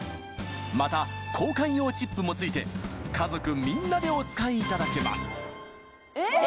また交換用チップも付いて家族みんなでお使いいただけますえ！